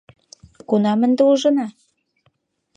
— Кунам ынде ужына?